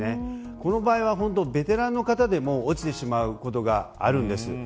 この場合はベテランの方でも落ちてしまうことがあるんです。